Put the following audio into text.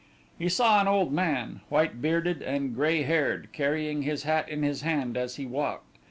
He saw an old man, white bearded and grey haired, carrying his hat in his hand as he walked.